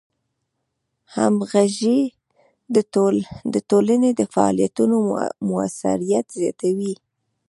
همغږي د ټولنې د فعالیتونو موثریت زیاتوي.